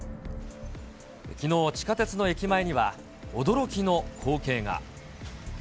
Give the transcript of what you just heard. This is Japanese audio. きのう、地下鉄の駅前には驚きの光景が。